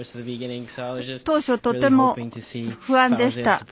当初、とても不安でした。